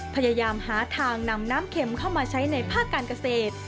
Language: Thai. พยายามหาทางนำน้ำเข็มเข้ามาใช้ในภาคการเกษตร